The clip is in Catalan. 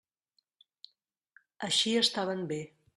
Així estaven bé.